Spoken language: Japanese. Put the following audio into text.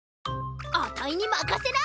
あたいにまかせな！